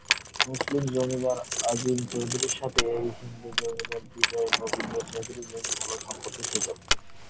মুসলিম জমিদার আজিম চৌধুরীর সাথে এই হিন্দু জমিদার বিজয় গোবিন্দ চৌধুরীর বেশ ভালো সম্পর্ক ছিল।